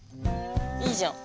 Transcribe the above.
いいじゃん。